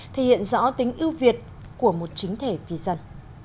thể hiện rõ tính ưu việt của một chính thể vì dân